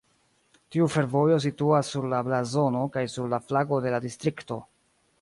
Tiu fervojo situas sur la blazono kaj sur la flago de la distrikto.